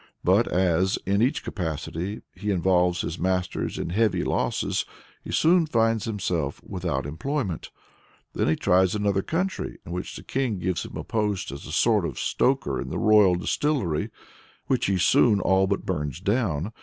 But as, in each capacity, he involves his masters in heavy losses, he soon finds himself without employment. Then he tries another country, in which the king gives him a post as a sort of stoker in the royal distillery, which he soon all but burns down.